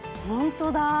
ホントだ！